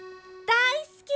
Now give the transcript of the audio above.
大好き。